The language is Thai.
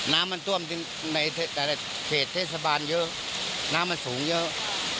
น้ำมันต้มในเขตเทศบาลเยอะน้ำมันสูงเยอะ